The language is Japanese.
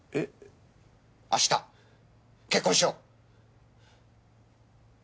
明日結婚しよう！